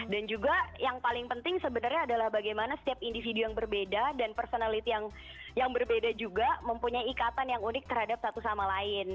dan juga yang paling penting sebenarnya adalah bagaimana setiap individu yang berbeda dan personality yang berbeda juga mempunyai ikatan yang unik terhadap satu sama lain